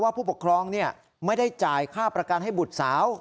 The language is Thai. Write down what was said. ผู้ปกครองไม่ได้จ่ายค่าประกันให้บุตรสาว